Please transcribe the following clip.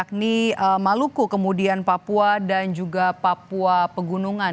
yakni maluku kemudian papua dan juga papua pegunungan